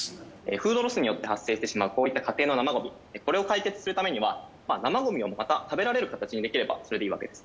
フードロスによって発生してしまうこういった家庭の生ゴミこれを解決するためには生ゴミをまた食べられる形にできればそれでいいわけです。